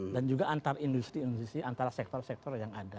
dan juga antar industri industri antara sektor sektor yang ada